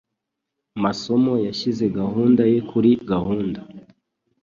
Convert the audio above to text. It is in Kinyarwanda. masomo yashyize gahunda ye kuri gahunda.